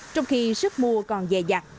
trong khi sức mua còn dè dặt